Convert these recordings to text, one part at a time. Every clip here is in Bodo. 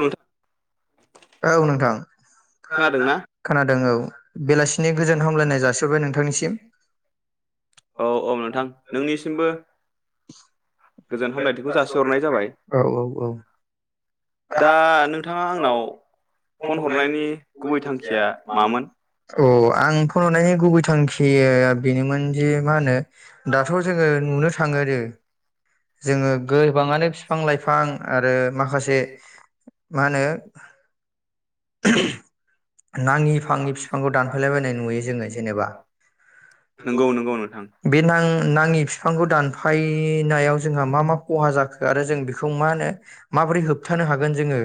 उम औ नोंथां खोनादों औ बेलासिनि गोजोन हामलायनाय जासिरबाय नोंथांनिसिम औ औ औ दा नोंथाङा आं नाव फन हरनायनि गुबै थांखिया मामोन? औ आं फन हरनायनि गुबै थांखिया बेनोमोनदि मा होनो दाथ' जोङो नुनो थाङो आरो जोङो गोबाङानो बिफां लाइफां आरो माखासे मा होनो नाङि बिफांनि बिफांखौ दानफायलायबायनाय नुयो जोङो जेनेबा बे नां-नाङि बिफांखौ दानफायनायाव जोंहा मा मा खहा जाखो आरो जों बेखौ मा होनो माबोरै हो होबथानो हागोन जोङो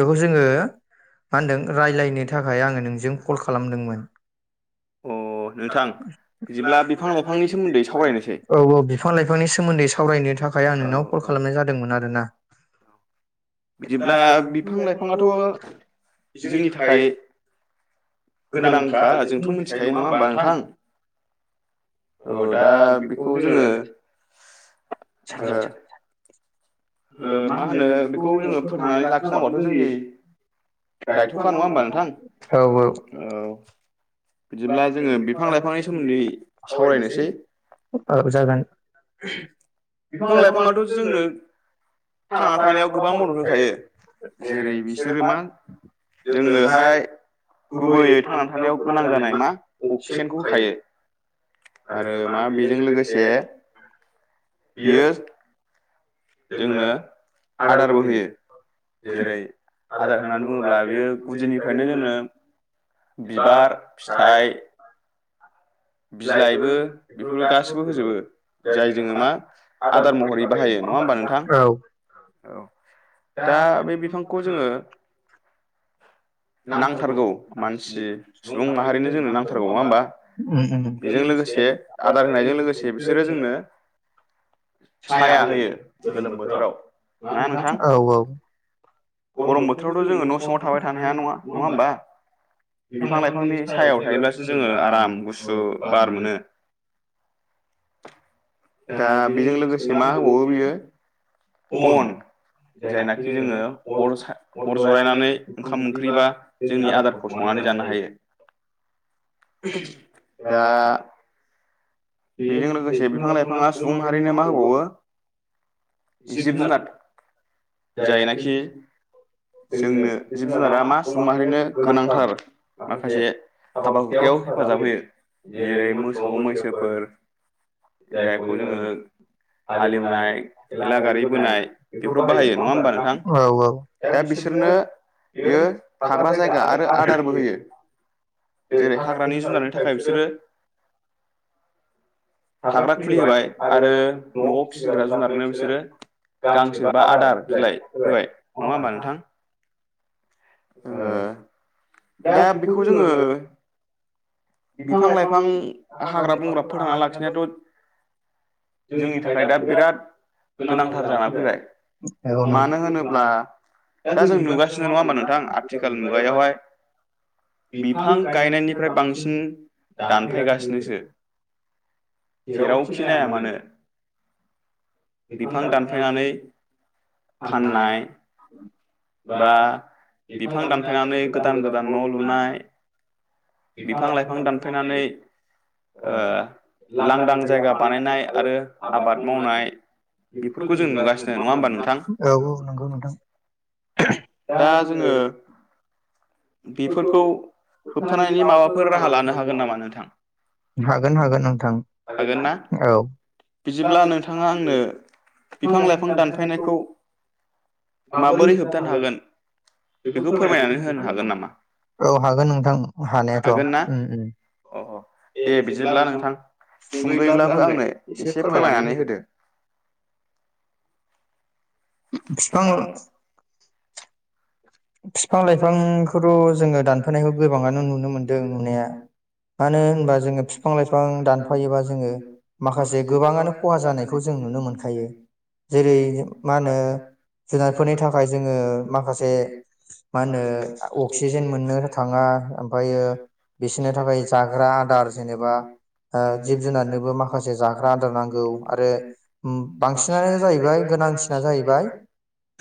बेखौ जोङो मा होनदों राय्लायनो था खाय आङो नोंजों कल खालामदोंमोन। औ औ बिफां लाइफांनि सोमोन्दै सावरायनो थाखाय आं नोंनाव कल खालामनाय जादोंमोन आरोना बिदिब्ला बिफां लाइफाङाथ' जोंनि थाखाय गोनांखा जोंथ' मिथिखायो नङा होमबा नोंथां औ दा बेखौ जोङो ओ ओ मा होनो [unintelligible] बेख औ औ बिदिब्ला जोङो बिफां लाइफांनि सोमोन्दै सावरायनोसै। औ जागोन बिफां लाइफाङाथ' जोंनो थांना थानायाव गोबां मदद होखायो जेरै बिसोरो मा जोंनोहाय गुबैयै थांना थानायाव गोनां जानाय मा अक्सिजेनखौ होखायो आरो मा बेजों लोगोसे बियो जोंनो आदारबो होयो जेरै आदार होननानै बुङोब्ला बेयो गुदिनिफ्रायनो जोंनो बिबार फिथाइ बिलाइबो बेफोरबो गासैबो होजोबो जाय जोङो मा आदार महरै बाहायो। नङा होमबा नोंथां? औ दा बे बिफांखौ जोङो नांथारगौ मानसि सुबुं माहारिनो जोंनो नांथारगौ। नङा होमबा? उम उम औ औ नङा होमबा? बिफां लाइफांनि सायायाव थायोब्लासो जोङो आराम गुसु ओ बार मोनो दा बेजों लोगोसे मा होबावो बेयो बन जायनाखि जोङो अर अर जरायनानै ओंखाम ओंख्रि बा जोंनि आदारखौ संनानै जानो हायो दा [unintelligible] इफाङा सुबुं माहारिनो मा होबावो जिब जुनार जायनाखि जोंनो जिब जुनारा मा सुबुं माहारिनो गोनांथार माखासे हाबा हुखायाव हेफाजाब होयो जेरै मोसौ मैसोफोर जायखौ जोङो हालेवनाय थेला गारि बोनाय बेफोराव बाहायो। औ औ [unintelligible] जेरै हाग्रानि जुनारनि थाखाय बिसोरो थाग्रा खुलि होबाय आरो न'आव फिसिग्रा जुनारनो बिसोरो गांसो बा आदार बिलाइ होबाय। नङा होमबा नोंथां? [unintelligible] दा बेखौ जोंङो बिफां लाइफां हाग्रा बंग्रा फोथांना लाखिनायाथ' जोंनि थाखाय दा बिराद गोनांथार जाना फैबाय मानो होनोब्ला दा जों नुगासिनो नङा होमबा नोंथां आथिखाल मुगायावहाय बिफां गायनायनिफ्राय बांसिन दानफायगासिनोसो जेरावखि नायाया मानो बिफां दानफायनानै फाननाय बा बिफां दानफायनानै गोदान गोदान न' लुनाय बिफां लाइफां दानफैनानै लांदां जायगा बानायनाय आरो आबाद मावनाय बेफोरखौ जों नुगासिनो नङा होनोमबा नोंथां औ औ नंगौ नोंथां दा जोंङो बेफोरखौ होबथानायनि माबाफोर राहा लानो सानदों नामा नोंथां हागोन हागोन नोंथां हागोन ना औ बिदिब्ल नोंथाङा बिफां लाइफां दानफायनायखौ माबोरै होबथा हागोन बेखौ फोरमायनानै होनो हागोन नामा औ हागोन नोंथां हागोन ना अ दे बिदिब्ला नोंथां सुंद' यैब्लाबो आंनो एसे फोरमायनानै होदो फिफां बिफां लाइफांखौथ' जोंङो दानफायानायखौ गोबाङानो नुनो मोनदों नुनाया मानो होनबा जोंङो बिफां लाइफांखौथ जोंङो दानफायनायखौ गोबाङानो नुनो मोनदों नुनाया मानो होनबा जों फिफां लाइफां दानफायोबा जों माखासे गोबांआनो खहा जानायखौ जों नुनो मोनखायो जेरै मा होनो जुनारफोरनि थाखाय जोंङो माखासे मा होनो अक्सिजेन मोननो थाङा ओमफ्रायो बिसोरनि थाखाय जाग्रा आदार जेनेबा ओ जिब जुनारनोबो माखासे जाग्रा आदार नांगौ आरो बांसिनानो जाहैबाय गोनांसिना जाहैबाय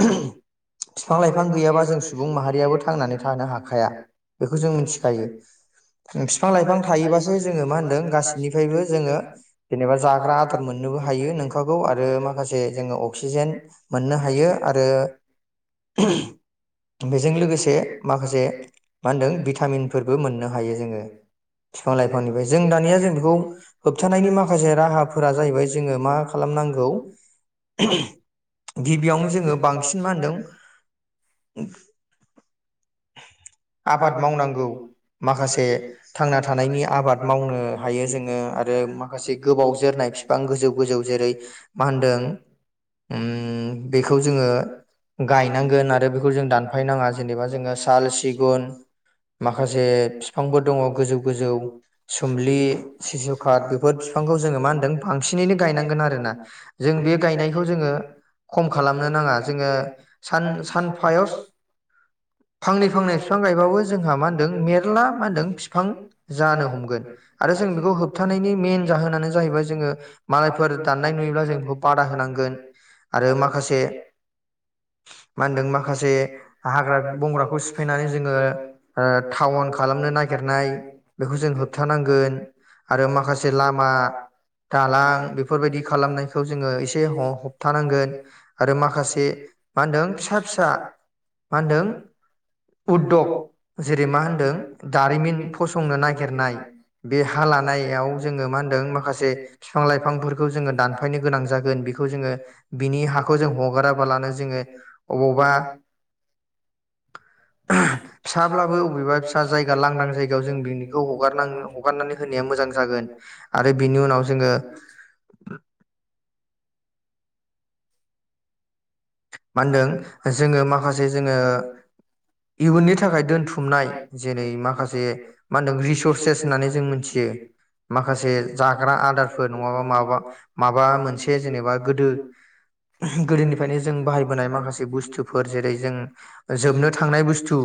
बिफां लाइफां गैयाबा जों सुबुं सुबुं माहारियाबो थांनानै थानो हाखाया बेखौ जों मिथिखायो बिफां लाइफां थायोबासो जोङो मा होनदों गासैनिफ्रायबो जोङो जेनेबा जाग्रा आदार मोननोबो हायो नोंखगौ आरो माखासे जोङो अक्सिजेन मोननो हायो आरो बेजों लोगोसे माखासे मा होनदों भिटामिनफोरबो मोननो हायो जोङो बिफां लाइफांनिफ्राय जों दानिया जों बेखौ होबथानायनि माखासे राहाफोरा जाहैबाय जोङो मा खालामनांगौ गिबियावनो जोङो बांसिन मा होनदों [inaudible] आबाद मावनांगौ माखासे थांना थानायनि आबाद मावनो हायो जोङो आरो माखासे गोबाव जोरनाय बिफां गोजौ गोजौ जेरै मा होनदों उम बेखौ जोङो गायनांगोन आरो बेखौ जों दानफाय नाङा जेनेबा जोंङो साल सिगुन माखासे बिफांबो दङ गोजौ गोजौ सोमलि सिसु खाट बेफोर बिफांखौ जोङो मा होनदों बांसिनैनो गायनांगोन आरोना जों बे गायनायखौ जोङो खम खालामनो नाङा जोङो सान सान [unintelligible] फांनै फांनै बिफां गायबाबो जोंहा मा होनदों मेरला मा होनदों फिफां जानो हमगोन आरो जों बेखौ होबथानायनि मेन जाहोनानो जाहैबाय जोङो मालायफोर दाननाय नुयोब्ला जों बेखौ बादा होनांगोन आरो माखासे मा होनदों माखासे माखासे हाग्रा ब्राखौ सिफाय जोङो ओ टाउन खालामनो नागिरनाय बेखौ जों होबथानांगोन आरो माखासे लामा दालां बेफोरबायदि खालामनायखौ जोङो एसे होबथानांगोन आरो माखासे मा होनदों फिसा फिसा मा होनदों? उदधग जेरै मा होन्दों दारिमिन फसंनो नागिरनाय बे हा लानायाव जोङो मा होनदों माखासे बिफां लाइफांफोरखौ जोङो दानफायनो गोनां जागोन बेखौ जोङो बिनि हाखौ जों हगाराबालानो जोङो अबावबा फिसाब्लाबो अबेबा फिसा जायगा लांदां जायगायाव जों बेनिखौ हगारना हगारनानै होनाया मोजां जागोन आरो बिनि उनाव जोङो मा होनदों जोङो माखासे जोङो इयुननि थाखाय दोनथुमनाय जेरै माखासे मा होनदों रिसरसेस होननानै जों मिथियो माखासे जाग्रा आदारफोर नङाबा मा माबा मोनसे जेनेबा गोदो गोदोनिफ्रायनो बाहायबोनाय माखासे बुस्थुफोर जेरै जों जोबनो थांनाय बुस्थु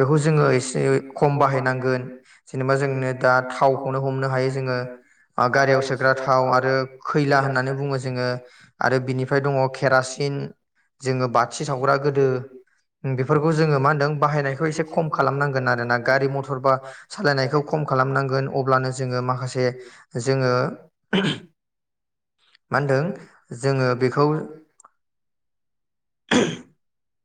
बेखौ जोङो एसे खम बाहायनांगोन जेनेबा जोंनो दा थावखौनो हमनो हायो जोङो गारियाव सोग्रा थाव आरो खैला होननानै बुङो जोङो आरो बिनिफ्राय दङ केरासिन जोङो बाथि सावग्रा गोदो बेफोरखौ जोङो मा होनदों बाहायनायखौ एसे खम खालामनांगोन आरोना गारि मथर बा सालायनायखौ खम खालामनांगोन अब्लानो जोङो माखासे जोङो मा होनदों जोङो बेखौ [inaudible]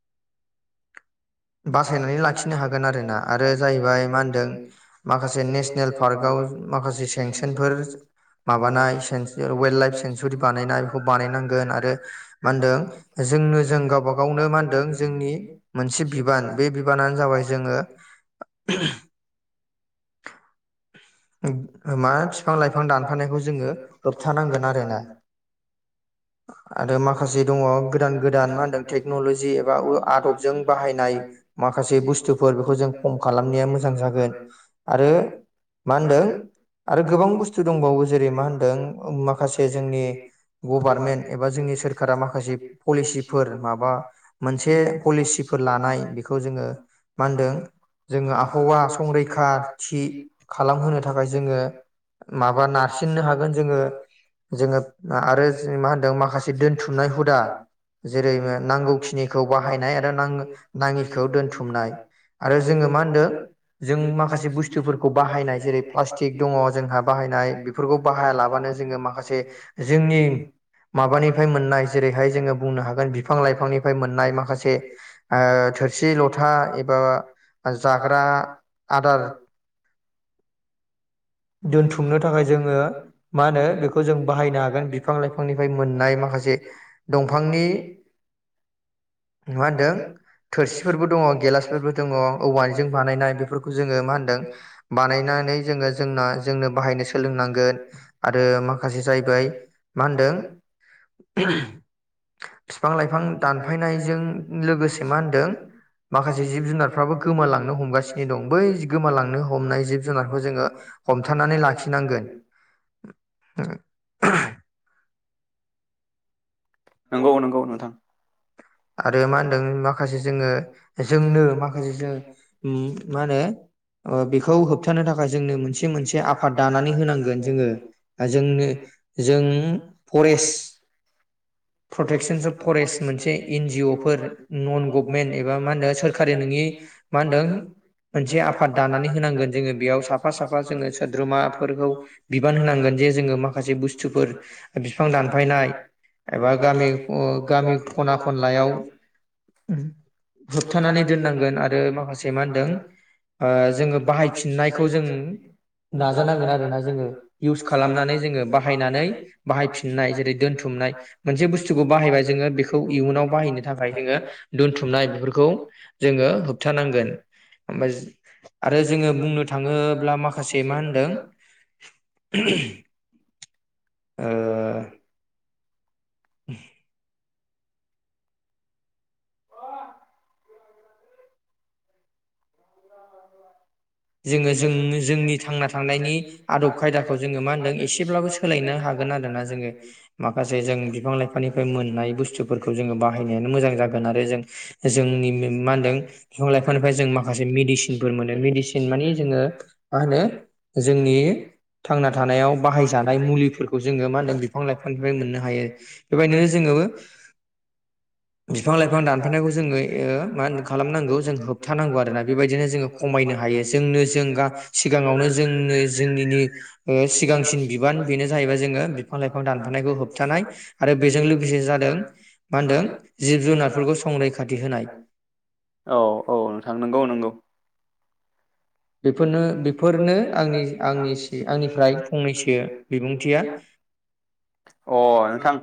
बासायनानै लाखिनो हागोन आरोना आरो जाहैबाय मा होनदों माखासे नेसनेल पार्कआव माखासे सेंसनफोर माबानाय वाइल्ड लाइफ सेंसुरि बानायनाय बेखौ बानायनांगोन आरो मा होनदों जोंनो जों गावबा गावनो मा होनदों जोंनि मोनसे बि बे बिबानानो जाबाय जोङो। मा बिफां लाइफां दानफानायखौ जोङो होबथानांगोन आरोना। आरो माखासे दङ गोदान गोदान मा होनदों टेक्नलजि एबा आदबजों बाहायनाय माखासे बुस्थुफोर बेखौ जों खम खालामनाया मोजां जागोन आरो मा होनदों आरो गोबां बुस्थु दंबावो जेरै मा होनदों माखासे जोंनि गभार्मेन्ट एबा सोरखारा माखासे पलिसिफोर माबा मोनसे पलिसिफोर लानाय बेखौ जोङो मा होनदों जोङो आबहावा संरैखा थि खालामहोनो थाखाय जोङो माबा नारसिननो हागोन जोङो जोङो आरो मा होनदों दोनथुमनाय हुदा जेरै नांगौखिनिखौ बाहायनाय आरो नाङिखौ दोनथुमनाय आरो जोङो मा होनदों जों माखासे बुस्थुफोर बाहायनाय जेरै प्लासटिक दङ जोंहा बाहायनाय बेफोरखौ बाहाया लाबानो जोङो माखासे जोंनि माबानिफ्राय मोननाय जेरैहाय जोङो बुंनो हागोन बिफां लाइफांनिफ्राय मोननाय माखासे ओथोरसि लथा एबा जाग्रा आदार दोनथुमनो थाखाय जोङो मा होनो बेखौ जों बाहायनो हागोन बिफां लाइफांनिफ्राय मोननाय माखासे दंफांनि मा होनदों थोरसिफोरबो दङ गेलासफोरबो दङ औवानिजों बानायनाय बेफोरखौ जोङो मा होनदों बानायनानै जोङो जोंना जोंनो बाहायनो सोलोंनांगोन आरो माखासे जाहैबाय मा होनदों बिफां लाइफां दानफायनायजों लोगोसे मा होनदों माखासे जिब जुनारफ्राबो गोमालांनो हमगासिनो दं बै गोमालांनो हमनाय जिब जुनारखौ जोङो हमथानानै लाखिनांगोन। [unintelligible] नंगौ नंगौ नोंथां। आरो मा होनदों माखासे जोङो जोंनो माखासे जोङो मा होनो बेखौ होबथानो थाखाय जोंनो मोनसे मोनसे आफाद दानानै होनांगोन जोङो जोंनो जों फरेस्ट प्रटेकसनस अफ फरेस्ट मोनसे N G O for non government एबा मा होनो सोरखारि नोंङि मा होनदों मोनसे आफाद दानानै होनांगोन जोङो बेयाव साफा साफा जोङो सोद्रोमाफोरखौ बिबान होनांगोन जे जोङो माखासे बुस्थुफोर बिफां दानफायनाय एबा गामि ग गामि खना खनलायाव होबथानानै दोननांगोन आरो माखासे मा होनदों जोङो बाहायफिननायखौ जों नाजानांगोन आरो ना जोङो इउस खालामनानै जोङो बाहायनानै बाहायफिननाय जेरै दोनथुमनाय मोनसे बुस्थुखौ बाहायबाय जोङो बेखौ उनाव बाहायनो थाखाय जोङो दोनथुमनाय बेफोरखौ जोङो होबथानांगोन आरो जोङो बुंनो थाङोब्ला माखासे मा होनदों ओ [unintelligible] [unintelligible] जोङो जों जोंनि थांना थानायांनायनि आदब खायदाखौ जोङो मा होनदों एसेब्लाबो सोलायनो हागोन आरोना जोङो माखासे जों बिफां लाइफांनिफ्राय मोननाय बुस्थुफोरखौ जोङो बाहायनायानो मोजां जागोन आरो जों जोंनि मा होनदों बिफां लाइफांनिफ्राय जों माखासे मेडिसिनफोर मोनो मेडिसिन माने जोङो माहोनो जोंनि थांना थानायाव बाहायजानाय मुलिफोरखौ जोङो माहोनदों बिफां-लाइफांनिफ्राय मोननो हायो बिनिखायनो जोङो बिफां-लाइफां दानफानायखौ जोङो ओ माहोनो खालामनांगौ जों होबथा नांगौ आरो ना। बिदिनो जोङो खमायनो हायो। जोंनो जेनबा सिगाङावनो जोंनि ओ सिगांसिन बिबान बेयो जाहैदों जोङो बिफां-लाइफां दानफायनायखौ होबथानाय आरो बेजों लोगोसे जादों मा होनो जिब जुनारफोरखौ संरैखाथि होनाय। औ औ नोंथां नगौ नंगौ [unintelligible] अ नोंथां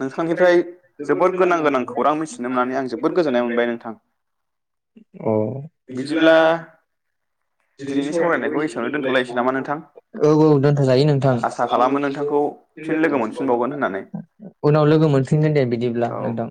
नोंथांनिफ्राय जोबोद गोनां गोनां खौरां मिथिनो मोननानै आं जोबोद गोजोननाय मोनबाय नोंथां। बिदिब्ला औ औ दोनथ जायो नोंथां उनाव लोगो मोनफिनगोन दे बिदिब्ला नोंथां।